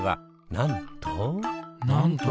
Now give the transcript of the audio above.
なんと？